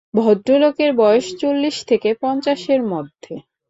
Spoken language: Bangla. ভদ্রলোকের বয়স চল্লিশ থেকে পঞ্চাশের মধ্যে।